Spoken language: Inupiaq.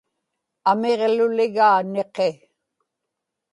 amiġluligaa niqi